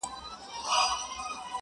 نن زندان پر ماتېدو دی-